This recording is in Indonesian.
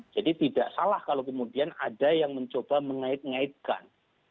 jadi tidak salah kalau kemudian ada yang mencoba mengait ngaitkan